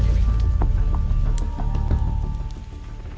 ketugas memadamkan api